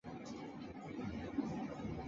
在数据采集与监视控制系统。